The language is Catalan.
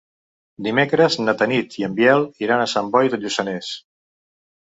Dimecres na Tanit i en Biel iran a Sant Boi de Lluçanès.